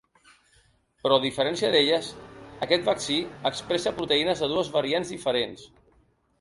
Però a diferència d’elles, aquest vaccí expressa proteïnes de dues variants diferents.